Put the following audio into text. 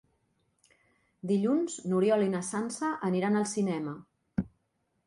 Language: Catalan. Dilluns n'Oriol i na Sança aniran al cinema.